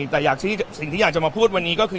แต่สิ่งที่อยากจะมาพูดวันนี้ก็คือ